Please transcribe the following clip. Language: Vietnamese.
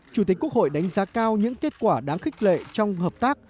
chủ tịch quốc hội đánh giá cao những kết quả đáng khích lệ trong hợp tác